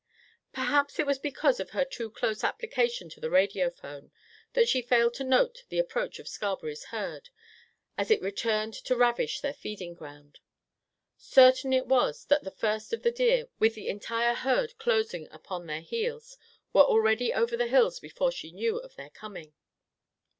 Perhaps it was because of her too close application to the radio phone that she failed to note the approach of Scarberry's herd as it returned to ravish their feeding ground. Certain it was that the first of the deer, with the entire herd close upon their heels, were already over the hills before she knew of their coming.